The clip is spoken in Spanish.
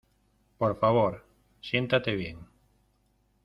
Por favor, siéntate bien.